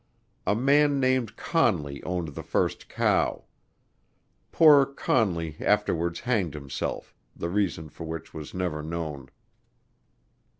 A man named Conley owned the first cow. Poor Conley afterwards hanged himself, the reason for which was never known.